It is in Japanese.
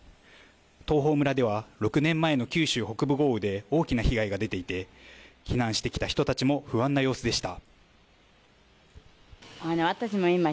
東峰村では６年前の九州北部豪雨で大きな被害が出ていて避難してきた人たちも不安な様子でした。